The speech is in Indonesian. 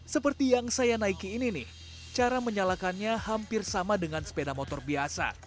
seperti yang saya naiki ini nih cara menyalakannya hampir sama dengan sepeda motor biasa